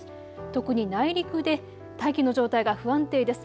特に内陸で大気の状態が不安定です。